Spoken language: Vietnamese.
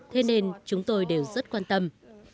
thế nên chúng tôi đều rất quan tâm